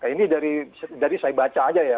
ini dari saya baca aja ya